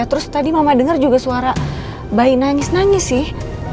terus tadi mama dengar juga suara bayi nangis nangis sih